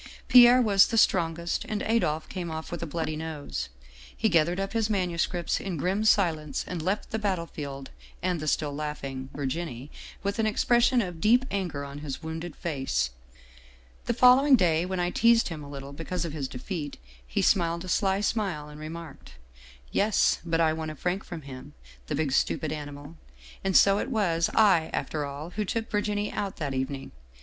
Pierre was the strongest, and Adolphe came off with a bloody nose. He gathered up his manuscripts in grim si lence and left the battlefield and the still laughing Virginie with an expression of deep anger on his wounded face. " The following day, when I teased him a little because of his defeat, he smiled a sly smile and remarked :' Yes, but I won a franc from him, the big stupid ani^ mal. And so it was I, after all, who took Virginie out that evening.